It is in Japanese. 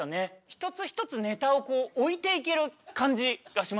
一つ一つネタを置いていける感じがしました。